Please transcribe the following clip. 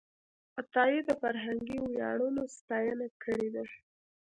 عطایي د فرهنګي ویاړونو ستاینه کړې ده.